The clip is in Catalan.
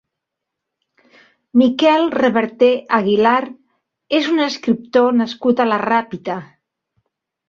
Miquel Reverté Aguilar és un escriptor nascut a la Ràpita.